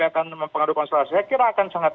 akan mempengaruhi konstelasi saya kira akan sangat